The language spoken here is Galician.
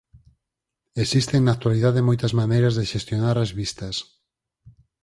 Existen na actualidade moitas maneiras de xestionar as vistas.